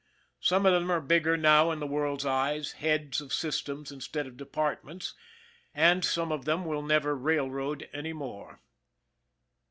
Some of them are bigger now in the world's eyes, heads of systems instead of departments and some of them will never railroad any more.